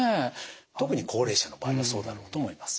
特に高齢者の場合はそうだろうと思います。